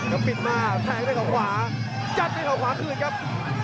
ก็ปิดมาแทงด้วยเขาขวายัดด้วยเขาขวาคืนครับ